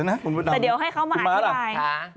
แต่เดี๋ยวให้เขามาอ่านให้บ่าย